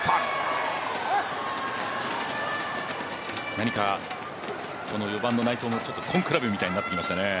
何か、この４番の内藤も根比べみたいになってきましたね。